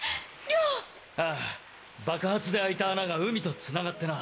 リョウ：ああ、爆発で開いた穴が海とつながってな。